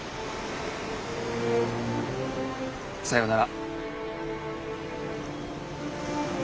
さよなら。